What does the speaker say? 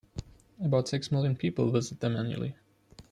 About six million people visit them annually.